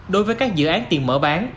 đối với các dự án tiền mở bán